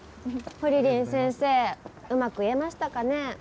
ほりりん先生うまく言えましたかね？